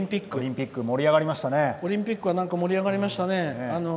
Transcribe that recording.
オリンピックは盛り上がりましたね。